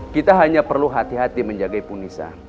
kita hanya perlu hati hati menjaga ibu nisa